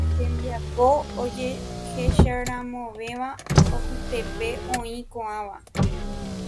Hembiapo ojehecharamovéva apytépe oĩ ko'ãva